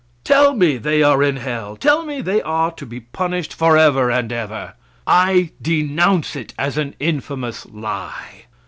Tell me they are in hell! Tell me they are to be punished for ever and ever! I denounce it as an infamous lie!